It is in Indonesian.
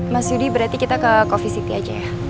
mas yudi berarti kita ke coffee city aja ya